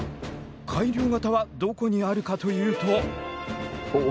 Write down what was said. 改良型はどこにあるかというと。